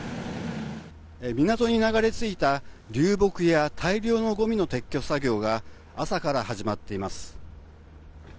港に流れ着いた流木や大量のごみの撤去作業が朝から始まっています。